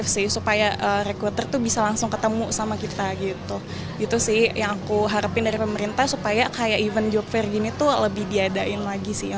supaya kayak event job fair gini tuh lebih diadain lagi sih